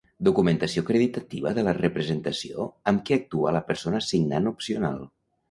Documentació acreditativa de la representació amb què actua la persona signant Opcional.